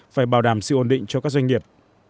phải bảo đảm sự ổn định cho các doanh nghiệp